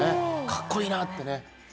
かっこいいなってね。